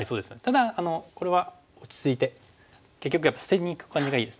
ただこれは落ち着いて結局やっぱり捨てにいく感じがいいですね。